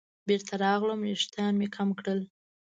بېرته راغلم ویښتان مې کم کړل.